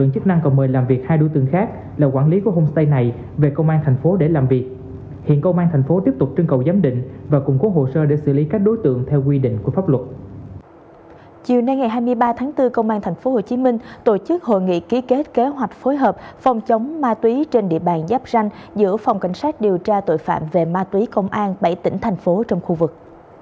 chiều nay ngày hai mươi ba tháng bốn công an thành phố hồ chí minh tổ chức hội nghị ký kết kế hoạch phối hợp phòng chống ma túy trên địa bàn giáp ranh giữa phòng cảnh sát điều tra tội phạm về ma túy công an bảy tỉnh thành phố trong khu vực